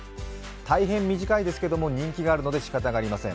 大変短いですけれども人気があるのでしかたありません。